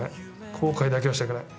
後悔だけはしたくない。